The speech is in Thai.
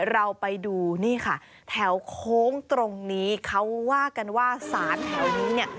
เราไปดูนี่ค่ะแถวโค้งตรงนี้เขาว่ากันว่าสารแถวนี้เนี่ย